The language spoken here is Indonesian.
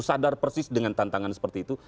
sadar persis dengan tantangan seperti itu